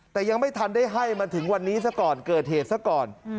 แต่ยังไม่ทันได้ให้มาถึงวันนี้ซะก่อนเกิดเหตุซะก่อน